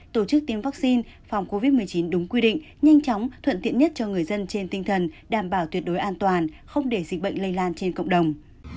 tổ chức tiêm vaccine phòng covid một mươi chín đúng quy định nhanh chóng thuận tiện nhất cho người dân trên tinh thần đảm bảo tuyệt đối an toàn không để dịch bệnh lây lan trên cộng đồng